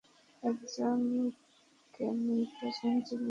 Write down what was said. একজন chemical engineer.